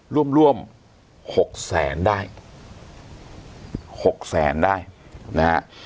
รวมรวมหกแสนได้หกแสนได้นะฮะ